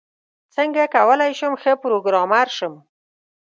څنګه کولاي شم ښه پروګرامر شم؟